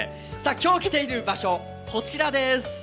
今日来ている場所、こちらです。